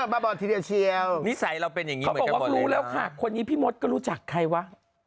บ้าบอดทีเดียวเชียวนิสัยเราเป็นอย่างงี้เหมือนกันหมดเลยนะคนนี้พี่มดก็รู้จักใครวะ